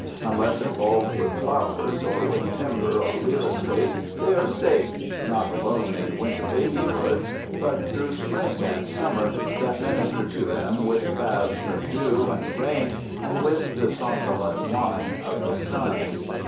Unless involved with flowers, or with timber or real estate, they are safe, not alone in winter babyhood, but through spring and summer, that minister to them with baths of dew and rain and with the somnolent wine of the sun.